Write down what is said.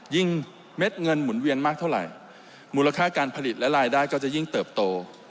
เม็ดเงินหมุนเวียนมากเท่าไหร่มูลค่าการผลิตและรายได้ก็จะยิ่งเติบโต